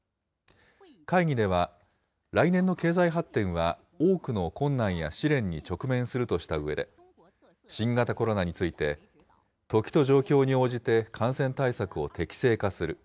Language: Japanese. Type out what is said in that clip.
会議では、来年の経済発展は多くの困難や試練に直面するとしたうえで、新型コロナについて、時と状況に応じて感染対策を適正化する。